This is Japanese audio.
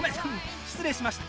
失礼しました。